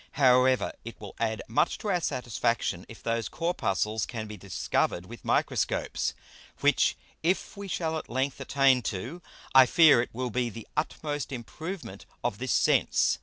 However it will add much to our Satisfaction, if those Corpuscles can be discover'd with Microscopes; which if we shall at length attain to, I fear it will be the utmost improvement of this Sense.